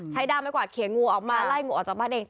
ด้ามไม้กวาดเขียนงูออกมาไล่งูออกจากบ้านเอง